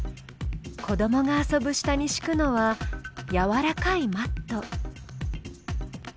子どもが遊ぶ下にしくのはやわらかいマット。